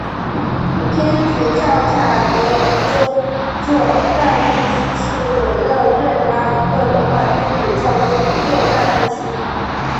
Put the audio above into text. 天主教卡罗尼宗座代牧区是委内瑞拉一个罗马天主教宗座代牧区。